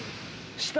下？